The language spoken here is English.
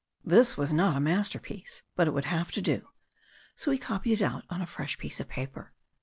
This was not a masterpiece! but it would have to do. So he copied it out on a fresh piece of paper.